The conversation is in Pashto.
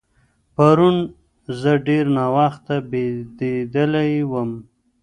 پرون زه ډېر ناوخته بېدېدلی وم.